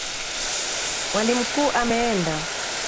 Mwalimu mkuu ameenda.